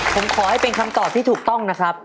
ผมขอให้เป็นคำตอบที่ถูกต้องนะครับ